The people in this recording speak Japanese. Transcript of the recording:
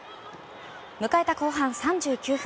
迎えた後半３９分。